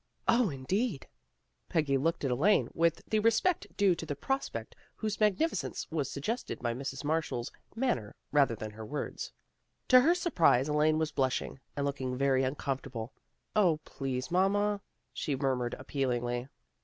" 0, indeed." Peggy looked at Elaine, with the respect due to the prospects whose magnifi cence was suggested by Mrs. Marshall's man ner, rather than her words. To her surprise Elaine was blushing, and looking very uncom fortable. " 0, please, mamma," she murmured appealingly.